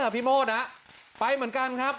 พี่โมดไปเหมือนกันครับ